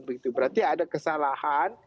berarti ada kesalahan